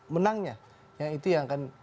menangnya itu yang akan